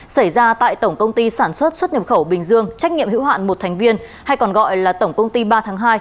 xảy ra tại tổng công ty sản xuất xuất nhập khẩu bình dương trách nhiệm hữu hạn một thành viên hay còn gọi là tổng công ty ba tháng hai